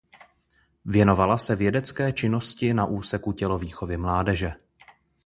Věnovala se vědecké činnosti na úseku tělovýchovy mládeže.